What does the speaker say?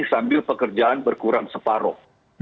tapi pekerjaan berkurang separoh